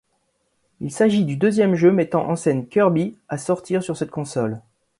Il s'agit du deuxième jeu mettant en scène Kirby à sortir sur cette console.